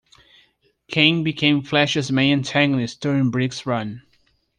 Kang became Flash's main antagonist during Briggs' run.